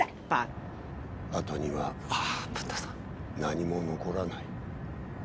後には何も残らない。